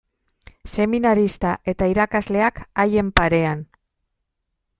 Seminarista eta irakasleak haien parean.